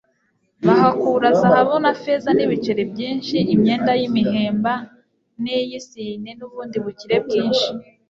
bahakura zahabu na feza n'ibiceri byinshi, imyenda y'imihemba n'iy'isine, n'ubundi bukire bwinshi